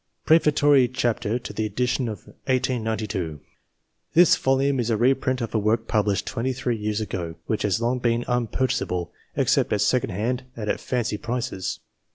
: PEEFATORY CHAPTER TO THE EDITION OF 1892 THIS volume is a reprint of a work published twenty three years ago, which has long been unpurchasable, except at s'econd hand and at fancy prices.